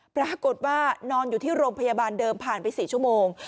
ปรากฏว่านอนอยู่ที่โรงพยาบาลเดิมผ่านไป๔ชั่วโมง